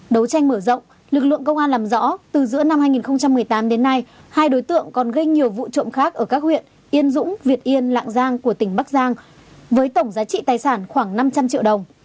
đấu tranh mở rộng lực lượng công an làm rõ từ giữa năm hai nghìn một mươi tám đến nay hai đối tượng còn gây nhiều vụ trộm khác ở các huyện yên dũng việt yên lạng giang của tỉnh bắc giang với tổng giá trị tài sản khoảng năm trăm linh triệu đồng